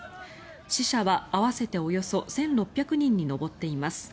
死者は合わせておよそ１６００人に上っています。